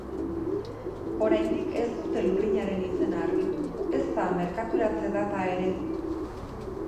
Oraindik ez dute lurrinaren izena argitu, ezta merkaturatze data ere.